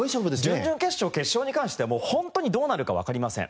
準々決勝決勝に関してはもう本当にどうなるかわかりません。